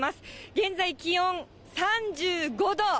現在、気温３５度。